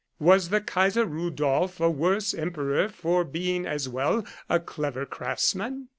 Was the Kaiser Rudolph a worse Emperor for being as well a clever craftsman